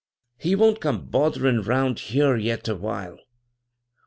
He won't come botherin' 'round here yet awhile.